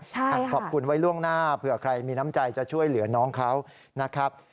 ขอบคุณไว้ล่วงหน้าเผื่อใครมีน้ำใจจะช่วยเหลือน้องเขานะครับ